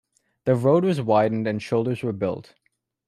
The road was widened and shoulders were built.